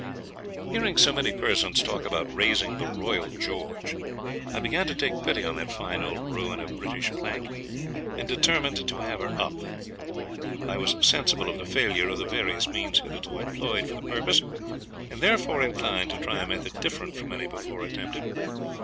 Hearing so many persons talk about raising the "Royal George," I began to take pity on that fine old ruin of British plank, and determined to have her up. I was sensible of the failure of the various means hitherto employed for the purpose, and therefore inclined to try a method different from any before attempted.